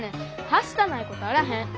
はしたないことあらへん。